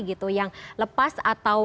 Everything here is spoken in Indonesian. gitu yang lepas atau